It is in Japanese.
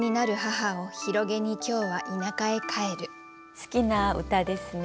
好きな歌ですね。